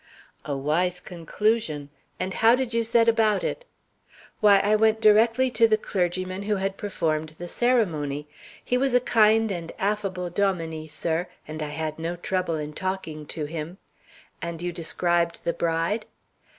"A wise conclusion! And how did you set about it?" "Why, I went directly to the clergyman who had performed the ceremony. He was a kind and affable dominie, sir, and I had no trouble in talking to him." "And you described the bride?"